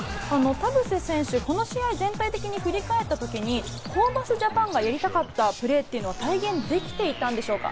田臥選手、この試合を全体的に振り返ったときに、ホーバスＪＡＰＡＮがやりたかったプレーというのは体現できていたんでしょうか。